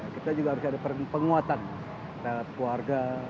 kita juga harus ada penguatan lewat keluarga